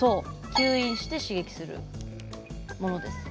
吸引して刺激するものです。